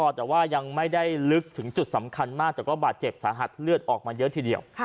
แต่ว่ายังไม่ได้ลึกถึงจุดสำคัญมากแต่ก็บาดเจ็บสาหัสเลือดออกมาเยอะทีเดียว